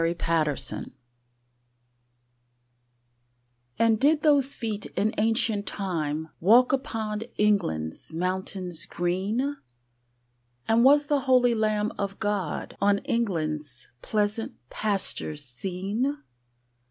Y Z Jerusalem AND did those feet in ancient time Walk upon England's mountains green? And was the holy Lamb of God On England's pleasant pastures seen?